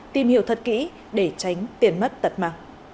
tìm hiểu thật kỹ để tránh tiền mất tật mà